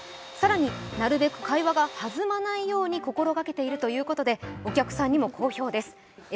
更に、なるべく会話が弾まないように心がけているということでお客さんにも好評です。